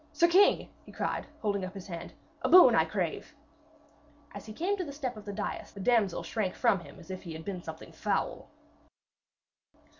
'Sir king!' he cried, holding up his hand, 'a boon I crave!' As he came to the step of the dais the damsel shrank from him as if he had been something foul.